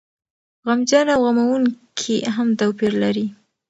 غمجنه او غموونکې هم توپير لري.